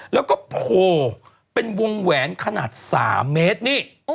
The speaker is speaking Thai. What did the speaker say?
แล้วก็โผล่เป็นวงแหวนขนาด๓เมตรนี่